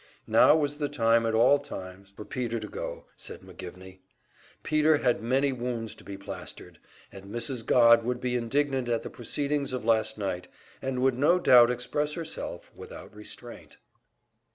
Now was the time at all times for Peter to go, said McGivney. Peter had many wounds to be plastered, and Mrs. Godd would be indignant at the proceedings of last night, and would no doubt express herself without restraint.